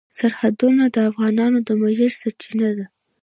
سرحدونه د افغانانو د معیشت سرچینه ده.